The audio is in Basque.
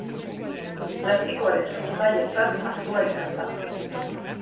Plastikoaren sortzailetzat hartua izan da.